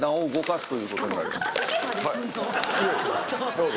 どうぞ。